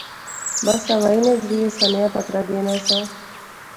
بس ہوائی نے ذریعے سنیاہ پترا گینا سا